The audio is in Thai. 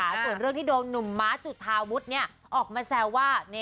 เหมือนเรื่องที่โดนหนุ่มมถาวุฒิออกมาแซว่า